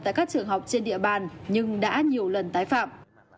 tại các trường học trên địa bàn nhưng đã nhiều lần tái phạm